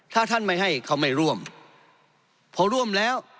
ถ้าท่านไม่ให้เขาไม่ร่วมพอร่วมแล้ว